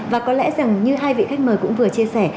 và có lẽ rằng như hai vị khách mời cũng vừa chia sẻ